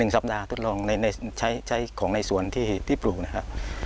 สัปดาห์ทดลองใช้ของในสวนที่ปลูกนะครับ